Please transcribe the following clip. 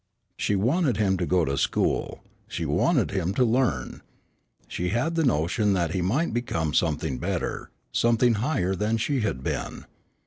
She wanted him to go to school. She wanted him to learn. She had the notion that he might become something better, something higher than she had been.